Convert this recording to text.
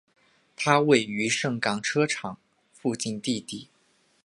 它位于盛港车厂附近地底。